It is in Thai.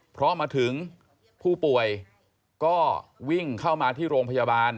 เพราะมาถึงผู้ป่วยก็วิ่งเข้ามาที่โรงพยาบาล